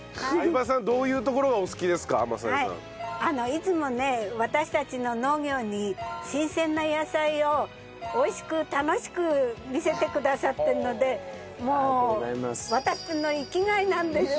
いつもね私たちの農業に新鮮な野菜を美味しく楽しく見せてくださってるのでもう私の生きがいなんです。